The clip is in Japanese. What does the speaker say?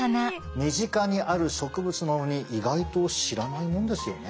身近にある植物なのに意外と知らないもんですよね。